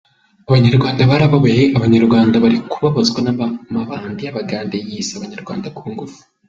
Abanyarwanda barababaye, abanyarwanda bari kubabazwa n’amabandi y’abagande yiyise abanyarwanda ku ngufu.